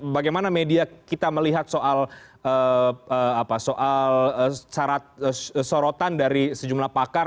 bagaimana media kita melihat soal sorotan dari sejumlah pakar